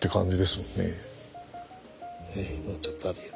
もうちょっとあるよ。